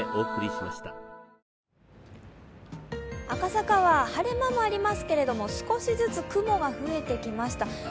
赤坂は晴れ間もありますけれども少しずつ雲が増えてきました。